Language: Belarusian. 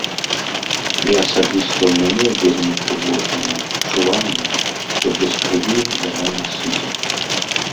І асабіста ў мяне вельмі трывожнае адчуванне, што без крыві яна не сыдзе.